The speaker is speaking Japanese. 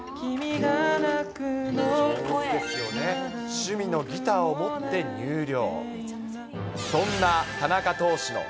趣味のギターを持って入寮。